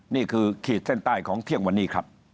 ขีดเส้นใต้ของเที่ยงวันนี้ครับ